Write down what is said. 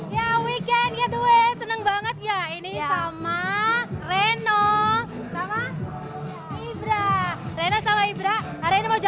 ya weekend getaway seneng banget ya ini sama reno sama ibra rena sama ibra hari ini mau coba